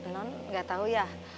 nont nggak tahu yah